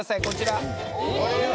こちら。